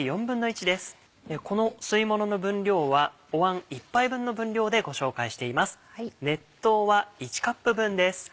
この吸いものの分量はおわん１杯分の分量でご紹介しています。